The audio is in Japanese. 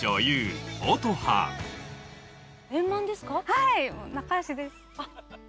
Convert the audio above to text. はい！